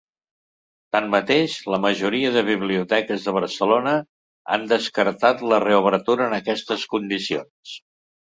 Tanmateix, la majoria de biblioteques de Barcelona han descartat la reobertura en aquestes condicions.